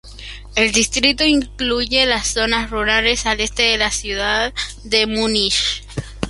El distrito incluye las zonas rurales al este de la ciudad de Múnich.